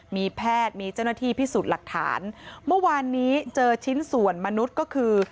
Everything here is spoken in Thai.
มีแพทย์มีเจ้าหน้าที่พิสูจน์หลักฐานเมื่อวานนี้เจอชิ้นส่วนมนุษย์ก็คือ